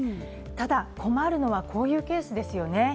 ただ困るのはこういうケースですよね。